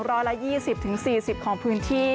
ร้อยละ๒๐๔๐ของพื้นที่